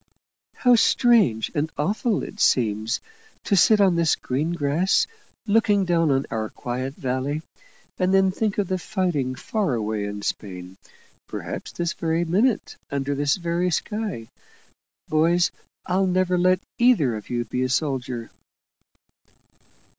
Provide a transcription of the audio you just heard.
"How strange and awful it seems, to sit on this green grass, looking down on our quiet valley, and then think of the fighting far away in Spain perhaps this very minute, under this very sky. Boys, I'll never let either of you be a soldier."